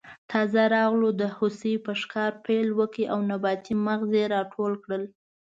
تازه راغلو د هوسۍ په ښکار پیل وکړ او نباتي مغز یې راټول کړل.